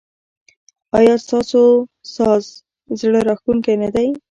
ایا ستاسو ساز زړه راښکونکی نه دی؟